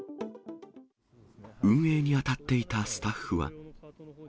運営に当たっていたスタッフは。